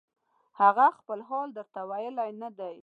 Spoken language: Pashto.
هغه خپل حال درته ویلی نه دی